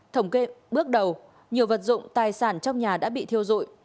thống kê bước đầu nhiều vật dụng tài sản trong nhà đã bị thiêu dụi